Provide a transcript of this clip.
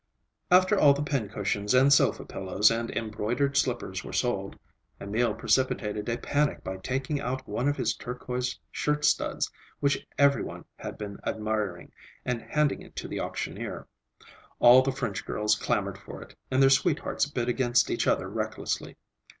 After all the pincushions and sofa pillows and embroidered slippers were sold, Emil precipitated a panic by taking out one of his turquoise shirt studs, which every one had been admiring, and handing it to the auctioneer. All the French girls clamored for it, and their sweethearts bid against each other recklessly.